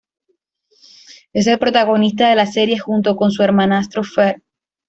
Es el protagonista de la serie junto con su hermanastro Ferb.